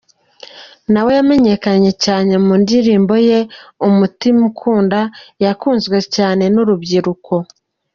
Nawe yamenyekanye cyane mu ndirimbo ye Umutima ukunda yakunzwe cyane n’urubyiruko.